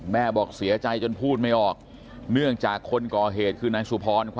บอกเสียใจจนพูดไม่ออกเนื่องจากคนก่อเหตุคือนายสุพร